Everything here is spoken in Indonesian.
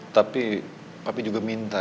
tapi papi juga minta